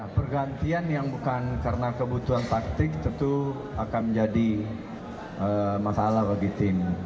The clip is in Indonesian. pergantian yang bukan karena kebutuhan taktik tentu akan menjadi masalah bagi tim